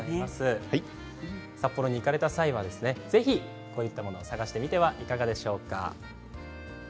札幌に行かれた際はぜひ探してみてはいかがでしょうか。